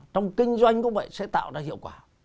trong kinh doanh cũng vậy sẽ tạo ra hiệu quả